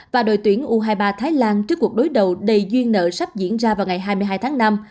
và đội tuyển u hai mươi ba thái lan trước cuộc đối đầu đầy duyên nợ sắp diễn ra vào ngày hai mươi hai tháng năm